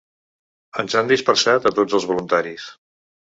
Ens han dispersat a tots els voluntaris.